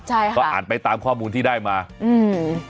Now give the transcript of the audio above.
ใช่ค่ะก็อ่านไปตามข้อมูลที่ได้มาอืม